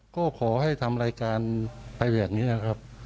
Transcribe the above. ก็ขอให้ทำรายการไปแบบนี้ครับ